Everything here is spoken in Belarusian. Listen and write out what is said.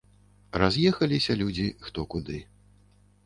Раз'ехаліся людзі, хто куды.